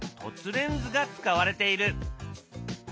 レンズが使われている。